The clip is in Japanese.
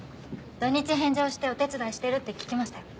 土日返上してお手伝いしてるって聞きましたよ。